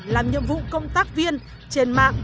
làm nhiệm vụ công tác viên trên mạng